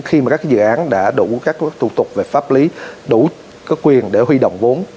khi mà các dự án đã đủ các thủ tục về pháp lý đủ có quyền để huy động vốn